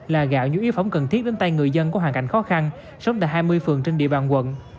là gạo nhu yếu phẩm cần thiết đến tay người dân có hoàn cảnh khó khăn sống tại hai mươi phường trên địa bàn quận